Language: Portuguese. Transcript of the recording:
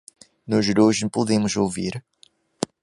Nós dois podemos ouvir.